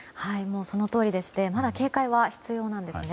そのとおりでしてまだ警戒は必要なんです。